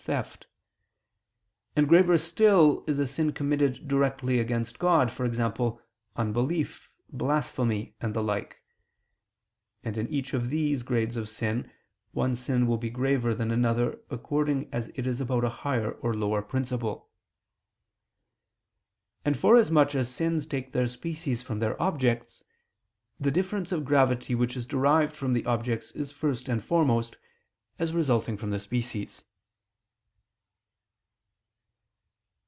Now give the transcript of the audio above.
theft; and graver still is a sin committed directly against God, e.g. unbelief, blasphemy, and the like: and in each of these grades of sin, one sin will be graver than another according as it is about a higher or lower principle. And forasmuch as sins take their species from their objects, the difference of gravity which is derived from the objects is first and foremost, as resulting from the species.